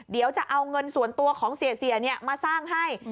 เดี๋ยวจะเอาเงินส่วนตัวของเสียมาสร้างให้